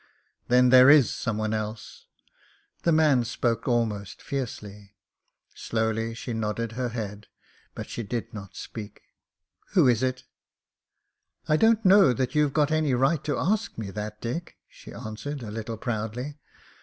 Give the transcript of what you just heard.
"Then there is someone else !" The man spoke al most fiercely. Slowly she nodded her head, but she did not speak. "Who is it?" THE MOTOR GUN 27 I •*I don't know that youVe got any right to ask me that, Dick/* she answered, a little proudly.